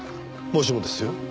もしもですよ